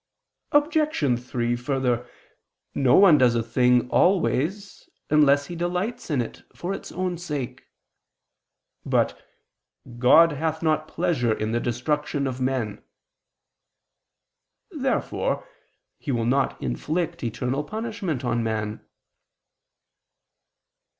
Obj. 3: Further, no one does a thing always unless he delights in it for its own sake. But "God hath not pleasure in the destruction of men" [Vulg.: 'of the living']. Therefore He will not inflict eternal punishment on man.